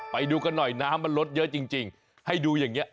ไปดูกันหน่อยน้ำมันลดเยอะจริงให้ดูอย่างเงี้